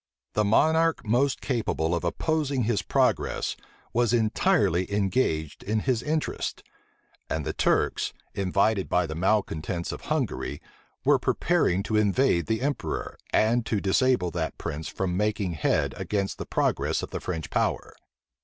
The monarch most capable of opposing his progress was entirely engaged in his interests; and the Turks, invited by the malecontents of Hungary, were preparing to invade the emperor, and to disable that prince from making head against the progress of the French power.